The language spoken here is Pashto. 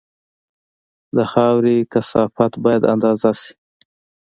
د خاورې کثافت باید اندازه شي